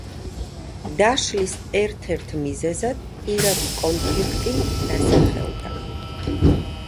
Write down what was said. დაშლის ერთ-ერთი მიზეზად პირადი კონფლიქტი დასახელდა.